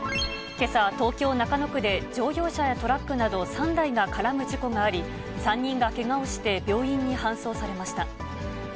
けさ、東京・中野区で、乗用車やトラックなど３台が絡む事故があり、３人がけがをして病院に搬送されました。